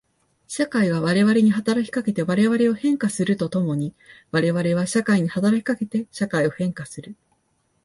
社会は我々に働きかけて我々を変化すると共に我々は社会に働きかけて社会を変化する。